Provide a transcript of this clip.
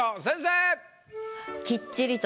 先生！